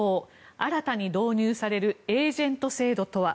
新たに導入されるエージェント制度とは？